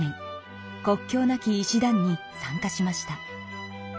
国境なき医師団に参加しました。